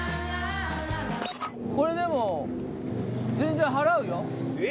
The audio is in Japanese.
これでも全然払うよ。